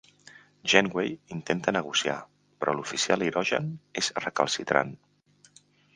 Janeway intenta negociar però l'oficial hirògen és recalcitrant.